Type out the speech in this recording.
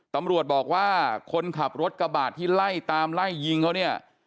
ตำรวจบอกว่าคนขับรถกระบาดที่ไล่ตามไล่ยิงเขาเนี่ย